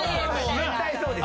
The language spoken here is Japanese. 絶対そうです。